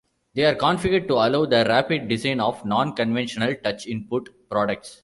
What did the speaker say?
They are configured to allow the rapid design of non-conventional touch input products.